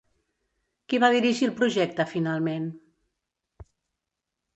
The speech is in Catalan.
Qui va dirigir el projecte finalment?